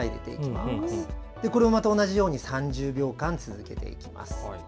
また同じように３０秒間続けていきます。